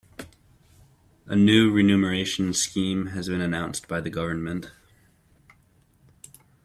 A new renumeration scheme has been announced by the government.